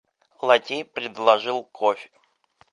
Лакей предложил кофе.